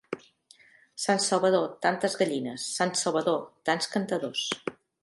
Sant Salvador, tantes gallines; sant Salvador, tants cantadors.